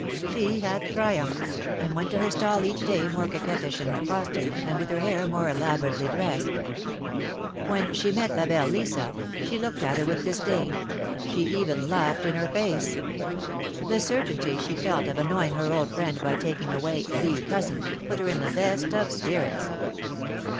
She had triumphed, and went to her stall each day more coquettish in her costume, and with her hair more elaborately dressed. 152 THE MARKETS OF PARIS. "When she met La belle Lisa, she looked at her with dis dain; she even laughed in her face. The certainty she felt of annoying her old friend by taking away ^^the cousin," put her in the best of spirits.